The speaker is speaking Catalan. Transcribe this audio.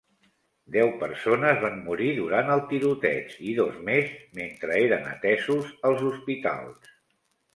Deu persones van morir durant el tiroteig i dos més mentre eren atesos als hospitals.